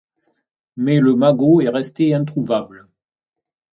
Mais le magot est resté introuvable...